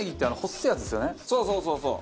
そうそうそうそう。